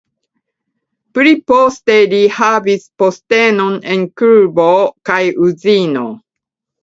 Pli poste li havis postenon en klubo kaj uzino.